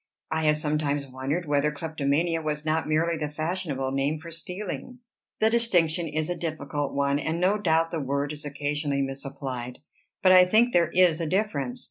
"I have sometimes wondered whether kleptomania was not merely the fashionable name for stealing." "The distinction is a difficult one, and no doubt the word is occasionally misapplied. But I think there is a difference.